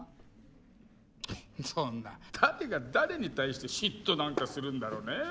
そんな誰が誰に対して嫉妬なんかするんだろうねえ